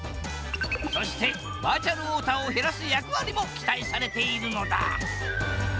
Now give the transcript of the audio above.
そしてバーチャルウォーターを減らす役割も期待されているのだ！